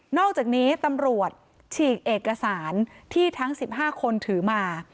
อกจากนี้ตำรวจฉีกเอกสารที่ทั้ง๑๕คนถือมา